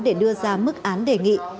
để đưa ra mức án đề nghị